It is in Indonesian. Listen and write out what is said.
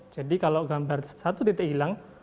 jadi kalau gambar satu titik hilang